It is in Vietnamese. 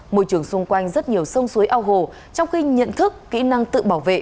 môi trường xung quanh rất nhiều sông suối ao hồ trong khi nhận thức kỹ năng tự bảo vệ